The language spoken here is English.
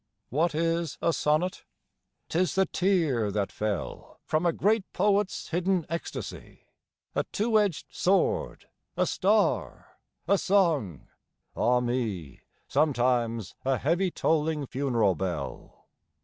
What is a sonnet ? 'T is the tear that fell From a great poet's hidden ecstasy ; A two edged sword, a star, a song — ah me I Sometimes a heavy tolling funeral bell.